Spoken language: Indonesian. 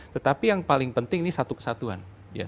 tetapi yang paling penting ini satu kesatuan